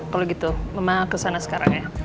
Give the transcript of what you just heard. kalau gitu mama kesana sekarang ya